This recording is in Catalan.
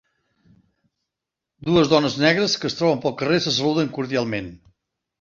Dues dones negres que es troben pel carrer se saluden cordialment.